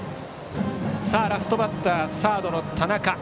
ラストバッター、サードの田中。